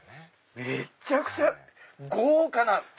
めちゃくちゃ豪華な。